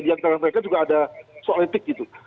di antara mereka juga ada soal etik gitu